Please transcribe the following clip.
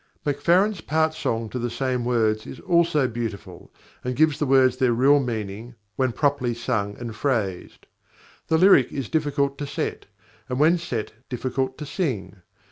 _ +Macfarren's+ part song to the same words is also beautiful, and gives the words their real meaning when properly sung and phrased. The lyric is difficult to set, and when set difficult to sing.